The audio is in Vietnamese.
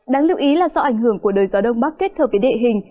đáng lưu ý là do ảnh hưởng của đời gió đông bắc kết hợp với địa hình